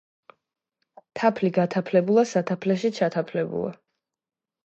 თაფლი გათაფლებულა სათაფლეში ჩათაფლებულა